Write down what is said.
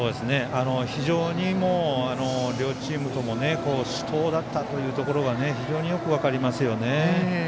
非常に両チームとも死闘だったというところがよく分かりますよね。